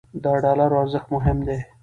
د ډالرو ارزښت مهم دی.